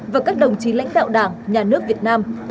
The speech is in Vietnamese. và các đồng chí lãnh đạo đảng nhà nước việt nam